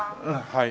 はい。